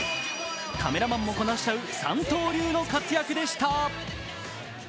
カメラマンもこなしちゃう三刀流の活躍でした。